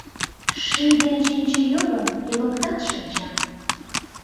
Ший ден чинче йогын йымыктат шинчам.